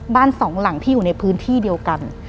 สองหลังที่อยู่ในพื้นที่เดียวกัน